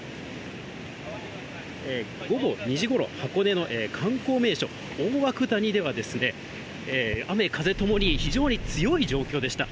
午後２時ごろ、箱根の観光名所、大涌谷では、雨、風ともに非常に強い状況でした。